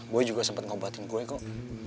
gue juga sempat ngobatin gue kok